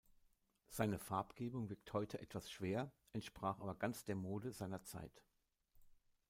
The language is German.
Seine Farbgebung wirkt heute etwas schwer, entsprach aber ganz der Mode seiner Zeit.